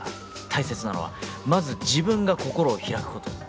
大切なのはまず自分が心を開くこと。